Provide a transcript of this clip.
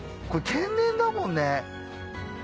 これ天然だもんね。